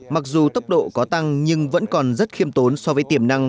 mặc dù tốc độ có tăng nhưng vẫn còn rất khiêm tốn so với tiềm năng